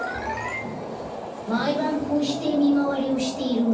まいばんこうしてみまわりをしているの？